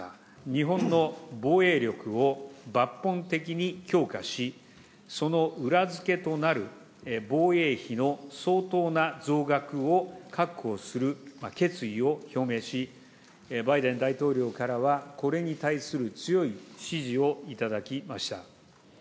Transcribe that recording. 日本の防衛力を抜本的に強化し、その裏付けとなる防衛費の相当な増額を確保する決意を表明し、バイデン大統領からは、これに対する強い支持をいただきました。